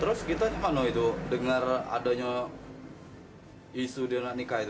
terus kita gimana itu dengar adanya isu dia nak nikah itu